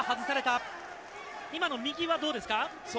今の右はどうですか？